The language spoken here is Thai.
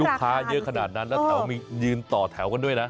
ค้าเยอะขนาดนั้นแล้วแถวมียืนต่อแถวกันด้วยนะ